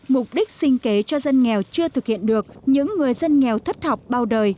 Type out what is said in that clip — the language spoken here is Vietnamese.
mục đích sinh kế cho dân nghèo chưa thực hiện được những người dân nghèo thất học bao đời